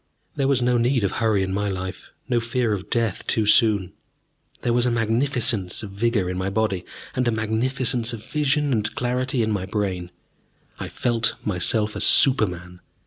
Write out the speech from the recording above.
There was no need of hurry in my life, no fear of death too soon. There was a magnificence of vigor in my body, and a magnificence of vision and clarity in my brain. I felt myself a super man.